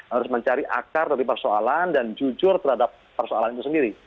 harus mencari akar dari persoalan dan jujur terhadap persoalan itu sendiri